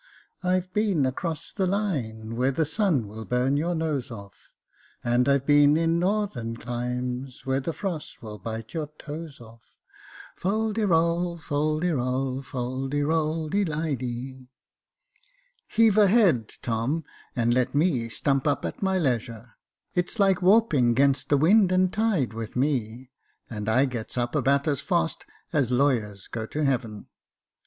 I've been across the line, Where the sun will burn your nose off; And I've been in northern climes. Where the frost would bite your toes off. Fal de ral, fal de ral, fal de ral de liddy. "*' Heave a head, Tom, and let me stump up at my leisure. It's like warping 'gainst wind and tide with me — and I gets up about as fast as lawyers go to heaven."